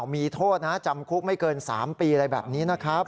มีโทษนะจำคุกไม่เกิน๓ปีอะไรแบบนี้นะครับ